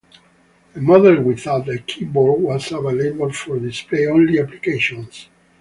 A model without a keyboard was available for display-only applications.